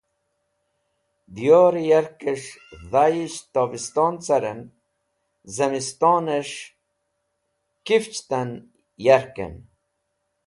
Diyorẽ yakẽs̃h dhayisht tobishton carẽn, zẽmistonẽs̃h kifchtan yarkẽn.